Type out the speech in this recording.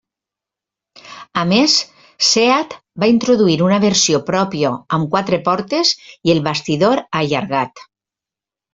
A més, Seat va introduir una versió pròpia amb quatre portes i el bastidor allargat.